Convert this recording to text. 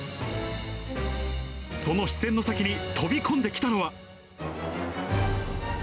その視線の先に飛び込んできたのは。